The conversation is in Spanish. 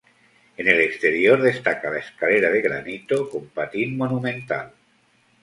En el exterior destaca la escalera de granito, con patín monumental.